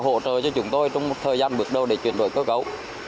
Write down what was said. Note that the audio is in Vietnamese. hỗ trợ cho chúng tôi trong một thời gian bước đầu để chuyển đổi cơ cấu